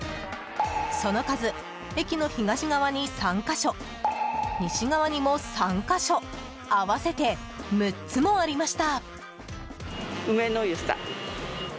その数、駅の東側に３か所西側にも３か所合わせて６つもありました。